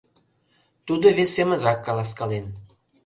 — Тудо вес семынрак каласкален.